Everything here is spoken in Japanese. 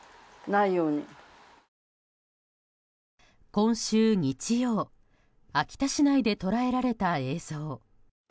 今週日曜秋田市内で捉えられた映像。